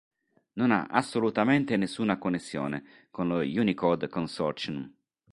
Non ha assolutamente nessuna connessione con lo Unicode Consortium.